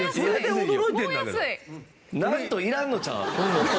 「なんと」いらんのちゃう？